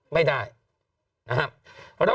ไม่ได้นะครับ